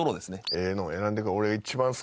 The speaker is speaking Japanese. ええのを選んで。